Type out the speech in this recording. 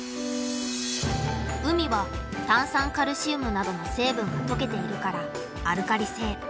海は炭酸カルシウムなどの成分がとけているからアルカリ性。